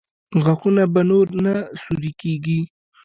غاښونه به نور نه سوري کېږي؟